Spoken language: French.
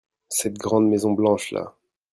Cette grande maison blanche-là.